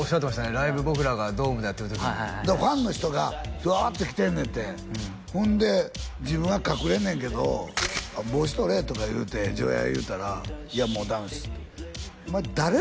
ライブ僕らがドームでやってる時にだからファンの人がワーッて来てんねんてほんで自分は隠れんねんけど帽子取れとか言うて丈弥が言うたら「いやもうダメっす」